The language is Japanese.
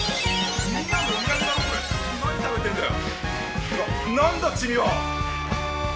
みんなのお土産だぞ、これ何食べてんだよ！